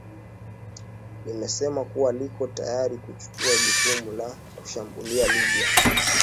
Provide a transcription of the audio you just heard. limesema kuwa liko tayari kuchukua jukumu la kuishambulia libya